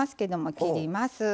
切ります。